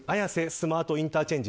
スマートインターチェンジ